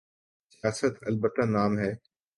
سیاست؛ البتہ نام ہے۔